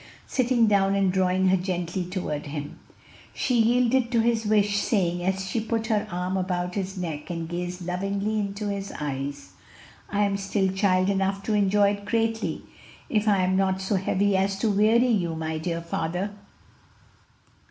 sitting down and drawing her gently toward him. She yielded to his wish, saying, as she put her arm about his neck and gazed lovingly into his eyes, "I am still child enough to enjoy it greatly, if I am not so heavy as to weary you, my dear father."